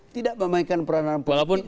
tidak memainkan peranan positif